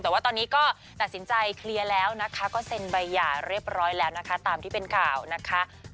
แต่ว่าตอนนี้ก็ตัดสินใจเคลียร์แล้วนะคะก็เซ็นใบหย่าเรียบร้อยแล้วนะคะตามที่เป็นข่าวนะคะ